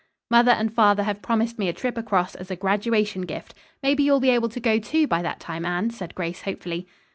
"Mother and father have promised me a trip across as a graduation gift. Maybe you'll be able to go, too, by that time, Anne," said Grace hopefully.